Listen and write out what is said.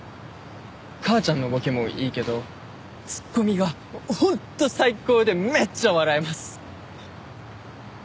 母ちゃんのボケもいいけどツッコミが本当最高でめっちゃ笑えます。